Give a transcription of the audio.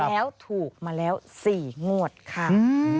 แล้วถูกมาแล้ว๔งวดค่ะ